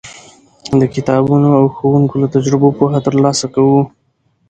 د کتابونو او ښوونکو له تجربو پوهه ترلاسه کوو.